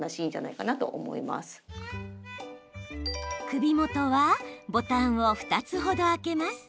首元はボタンを２つほど開けます。